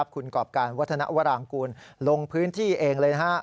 คุณกรอบการวัฒนวรางกูลลงพื้นที่เองเลย